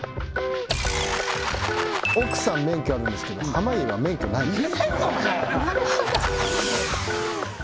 奥さん免許あるんですけど濱家が免許ないんです